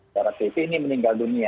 darat pp ini meninggal dunia